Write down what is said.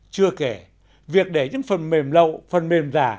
chưa kể việc để những phần mềm lậu phần mềm giả